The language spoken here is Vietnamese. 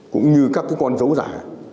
cũng như các con dấu giải